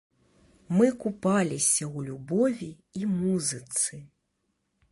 Мы купаліся ў любові і музыцы!